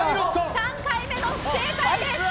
３回目の不正解です。